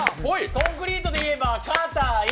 コンクリートといえばかたい。